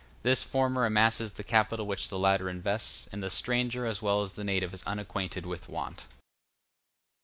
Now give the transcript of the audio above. The former amasses the capital which the latter invests, and the stranger as well as the native is unacquainted with want.